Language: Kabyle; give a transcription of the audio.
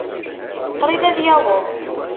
Qṛib ad yaweḍ.